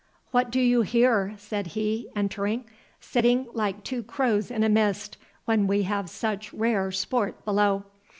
"What do you here," said he, entering, "sitting like two crows in a mist, when we have such rare sport below?